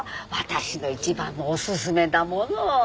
私の一番のおすすめだもの。